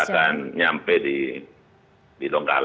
ya mereka akan nyampe di donggala